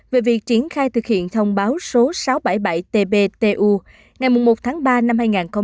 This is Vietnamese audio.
về việc triển khai thực hiện thông báo số sáu trăm bảy mươi bảy tbtu ngày một tháng ba năm hai nghìn hai mươi